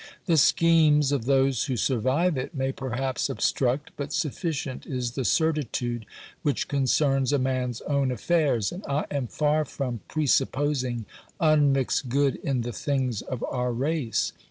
The schemes of those who survive it may perhaps obstruct, but sufficient is the certitude which concerns a man's own affairs, and I am far from pre supposing unmixed good in the things of our race.